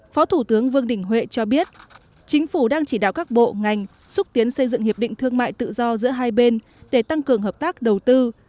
phó thủ tướng vương đình huệ cho biết chính phủ đang chỉ đạo các bộ ngành xúc tiến xây dựng hiệp định thương mại tự do giữa hai bên để tăng cường hợp tác đầu tư